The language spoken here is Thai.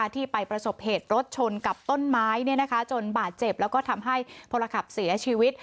ที่ไปประสบเหตุรถชนกับต้นไม้จนบาดเจ็บแล้วก็ทำให้พลขับเสียชีวิต